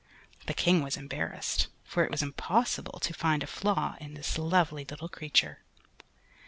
The King was embarassed, for it was impossible to find a flaw in this lovely little creature.